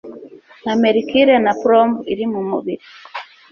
nka mercure na plomb iri mu mubiri.